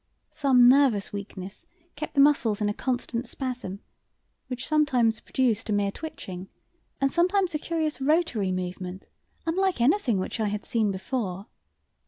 Some nervous weakness kept the muscles in a constant spasm, which sometimes produced a mere twitching and sometimes a curious rotary movement unlike anything which I had ever seen before.